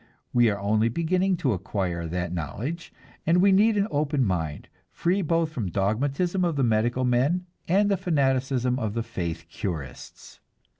We are only beginning to acquire that knowledge, and we need an open mind, free both from the dogmatism of the medical men and the fanaticism of the "faith curists."